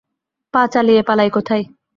পা চালিয়ে পালাই কোথায়?